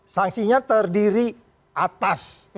sanksinya terdiri atas